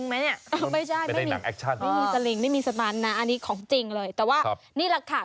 ไม่จะไปในหนังไม่มีสมัญนะอันนี้ของจริงเลยแต่ว่านี่แหละค่ะ